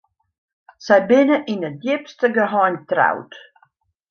Sy binne yn it djipste geheim troud.